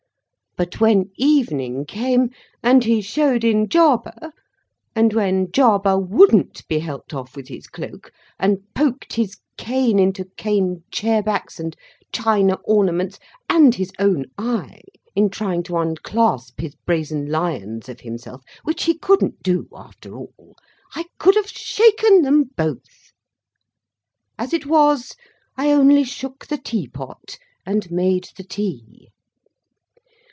But, when evening came, and he showed in Jarber, and, when Jarber wouldn't be helped off with his cloak, and poked his cane into cane chair backs and china ornaments and his own eye, in trying to unclasp his brazen lions of himself (which he couldn't do, after all), I could have shaken them both. As it was, I only shook the tea pot, and made the tea.